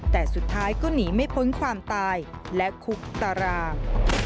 แต่สุดท้ายก็หนีไม่พ้นความตายและคุกตาราง